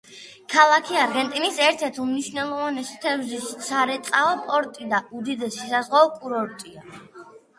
ქალაქი არგენტინის ერთ-ერთი უმნიშვნელოვანესი თევზის სარეწაო პორტი და უდიდესი საზღვაო კურორტია.